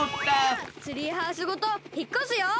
さあツリーハウスごとひっこすよ！